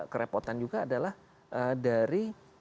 kerepotan juga adalah dari